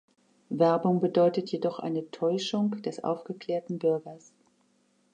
Werbung bedeutet jedoch eine Täuschung des aufgeklärten Bürgers.